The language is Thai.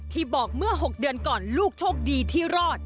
บอกเมื่อ๖เดือนก่อนลูกโชคดีที่รอด